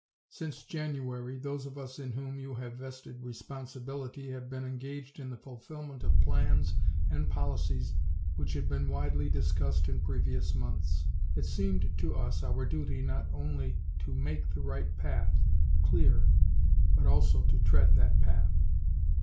Since January, those of us in whom you have vested responsibility have been engaged in the fulfillment of plans and policies which had been widely discussed in previous months. It seemed to us our duty not only to make the right path clear but also to tread that path.